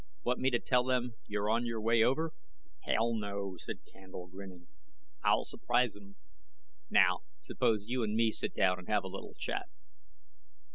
Want me to tell them you're on your way over?" "Hell, no," said Candle, grinning, "I'll surprise 'em. Now, suppose you and me sit down and have a little chat."